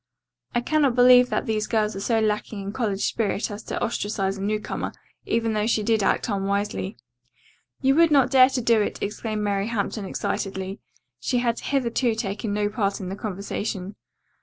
I cannot believe that these girls are so lacking in college spirit as to ostracize a newcomer, even though she did act unwisely." "You would not dare to do it!" exclaimed Mary Hampton excitedly. She had hitherto taken no part in the conversation.